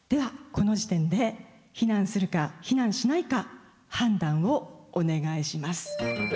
この時点で避難するか避難しないか判断をお願いします。